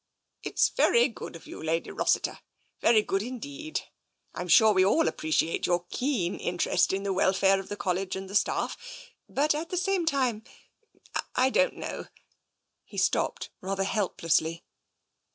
" It's very good of you, Lady Rossiter — very good indeed. Tm sure we all appreciate your keen interest in the welfare of the College and the staff. But at the same time — I don't know " He stopped rather helplessly.